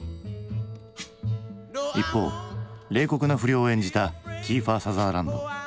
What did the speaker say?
一方冷酷な不良を演じたキーファー・サザーランド。